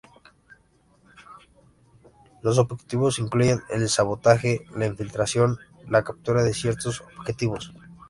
Los objetivos incluyen el sabotaje, la infiltración, la captura de ciertos objetivos.